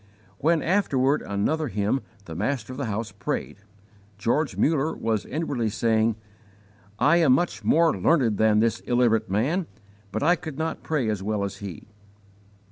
When, after another hymn, the master of the house prayed, George Muller was inwardly saying: "I am much more learned than this illiterate man, but I could not pray as well as he."